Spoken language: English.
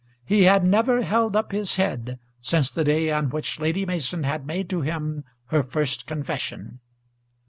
He had never held up his head since the day on which Lady Mason had made to him her first confession.